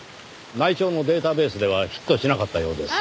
内調のデータベースではヒットしなかったようです。